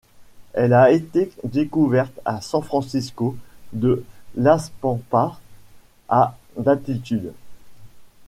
Elle a été découverte à San Francisco de Las Pampas à d'altitude.